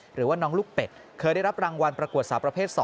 หรือว่าน้องลูกเป็ดเคยได้รับรางวัลประกวดสาวประเภท๒